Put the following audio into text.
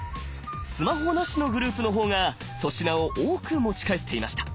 スマホなしのグループの方が粗品を多く持ち帰っていました。